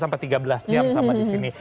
sampai tiga belas jam sampai di sini